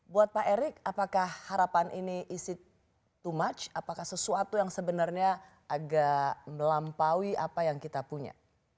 buat pak erick apakah harapan ini is it to much apakah sesuatu yang sebenarnya agak melampaui apa yang kita punya